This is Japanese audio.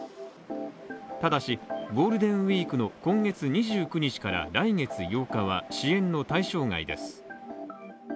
ただし、ゴールデンウィークの今月２９日から来月８日は支援の対象外です。